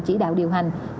chỉ đạo điều hành